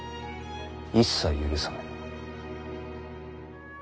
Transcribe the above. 一切許さぬ。